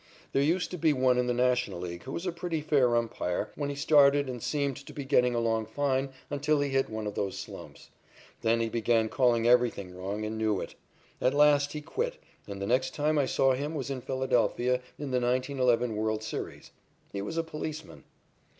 There used to be one in the National League who was a pretty fair umpire when he started and seemed to be getting along fine until he hit one of those slumps. Then he began calling everything wrong and knew it. At last he quit, and the next time I saw him was in Philadelphia in the 1911 world's series. He was a policeman.